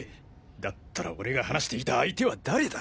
だったら俺が話していた相手は誰だ！？